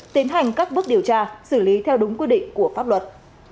tiến hành các bước điều tra xử lý theo đúng quy định của pháp luật